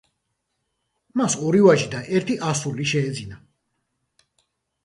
მას ორი ვაჟი და ერთი ასული შეეძინა.